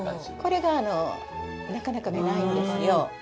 これがあのなかなかないんですよ。